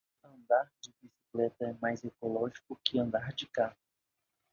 Andar de bicicleta é mais ecológico que andar de carro.